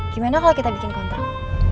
gimana kalau kita bikin kontrak